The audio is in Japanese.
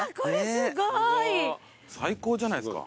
最高じゃないですか。